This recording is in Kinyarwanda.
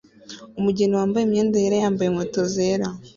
Umugeni wambaye imyenda yera yambaye inkweto zera